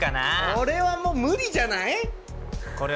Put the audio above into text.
これはもう無理じゃない？